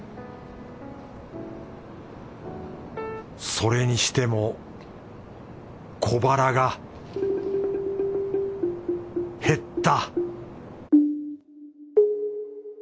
それにしても小腹が減った